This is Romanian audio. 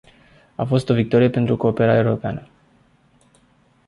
A fost o victorie pentru cooperarea europeană.